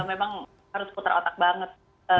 memang harus putar otak banget